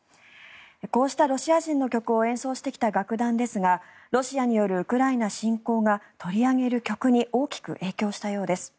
こうしたロシア人の曲を演奏してた楽団ですがロシアによるウクライナ侵攻が取り上げる曲に大きく影響したようです。